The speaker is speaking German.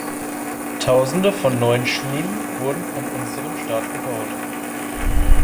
Tausende von neuen Schulen werden von unserem Staat gebaut.